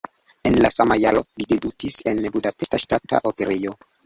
En la sama jaro li debutis en Budapeŝta Ŝtata Operejo.